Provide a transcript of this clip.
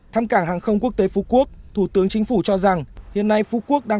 thăm cảng hàng không quốc tế phú quốc thủ tướng chính phủ cho rằng hiện nay phú quốc đang